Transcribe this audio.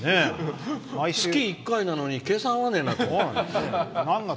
月１回なのに計算、合わないな。